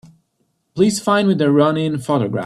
Please find me the Rounin photograph.